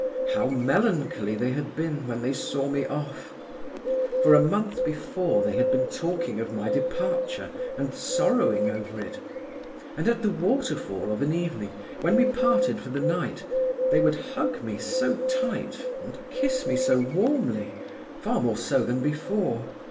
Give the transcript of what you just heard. How melancholy they had been when they saw me off! For a month before, they had been talking of my departure and sorrowing over it; and at the waterfall, of an evening, when we parted for the night, they would hug me so tight and kiss me so warmly, far more so than before.